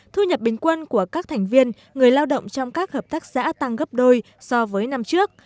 thu nhập bình quân của các thành viên người lao động trong các hợp tác xã tăng gấp đôi so với năm trước